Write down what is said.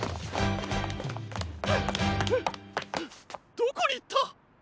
どこにいった！？